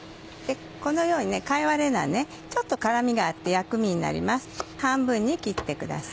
このように貝割れ菜ちょっと辛みがあって薬味になります半分に切ってください。